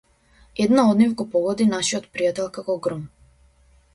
Една од нив го погоди нашиот пријател како гром.